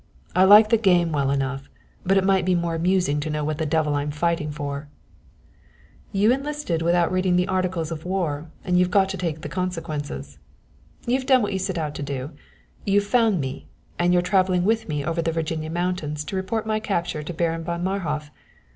I like the game well enough, but it might be more amusing to know what the devil I'm fighting for." "You enlisted without reading the articles of war, and you've got to take the consequences. You've done what you set out to do you've found me; and you're traveling with me over the Virginia mountains to report my capture to Baron von Marhof.